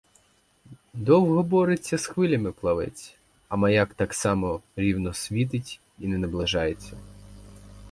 Довго бореться з хвилями плавець, а маяк так само рівно світить і не наближається.